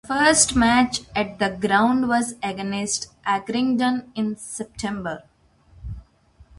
Their first match at the ground was against Accrington in September.